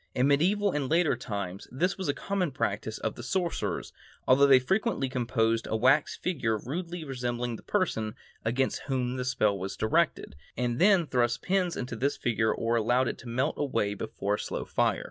In medieval and later times this was the common practice of the sorcerers, although they frequently composed a wax figure rudely resembling the person against whom the spell was directed, and then thrust pins into this figure or allowed it to melt away before a slow fire.